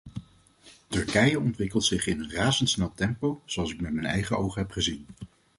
Turkije ontwikkelt zich in een razendsnel tempo, zoals ik met eigen ogen heb gezien.